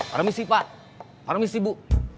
permisi pak permisi bu